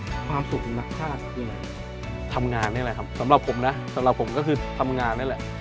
ความสุขนักชาติคือทำงานนี่แหละครับสำหรับผมนะสำหรับผมก็คือทำงานนี่แหละ